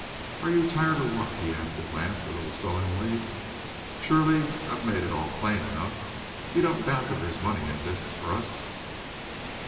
"Are you tired, or what?" he asked at last, a little sullenly. "Surely I made it all plain enough? You don't doubt that there's money in this for us?"